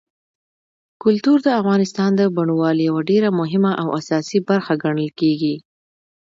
کلتور د افغانستان د بڼوالۍ یوه ډېره مهمه او اساسي برخه ګڼل کېږي.